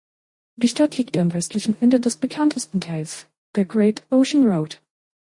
Die Stadt liegt am westlichen Ende des bekanntesten Teils der Great Ocean Road.